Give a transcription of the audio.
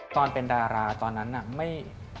ตอนเป็นดาราตอนนั้นน่ะไม่